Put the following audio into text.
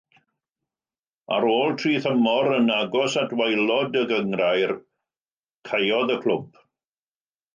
Ar ôl tri thymor yn agos at waelod y gynghrair, caeodd y clwb.